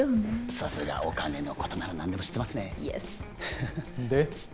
さすがお金のことなら何でも知ってますねイエスで？